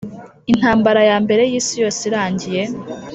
intambara ya mbere y'isi yose irangiye,